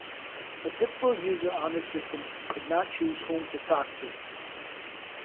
A typical user on the system could not choose whom to talk to.